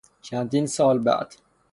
چندین سال بعد